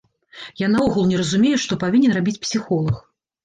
Я наогул не разумею, што павінен рабіць псіхолаг.